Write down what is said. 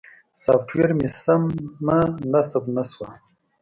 سافټویر مې سمه نصب نه شوه.